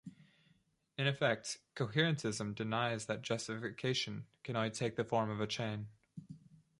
In effect Coherentism denies that justification can only take the form of a chain.